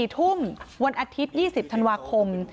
๔ทุ่มวันอาทิตย์๒๐ธันวาคม